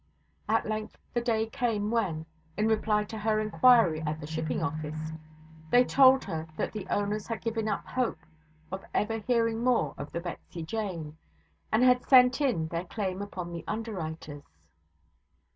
At length the day came when, in reply to her inquiry at the shipping office, they told her that the owners had given up hope of ever hearing more of the Betsy Jane and had sent in their claim upon the underwriters.